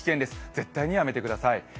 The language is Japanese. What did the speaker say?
絶対にやめてください。